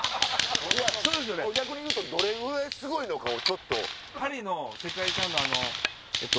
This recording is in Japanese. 逆に言うとどれぐらいすごいのかを。